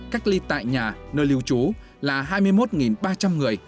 cách ly tại nhà nơi lưu trú là hai mươi một ba trăm linh người